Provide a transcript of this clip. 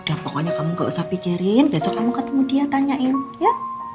dah pokoknya kamu gak usah pikirin besok kamu ketemu dia tanyain ya